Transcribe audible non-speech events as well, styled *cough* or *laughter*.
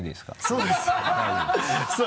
そうです *laughs*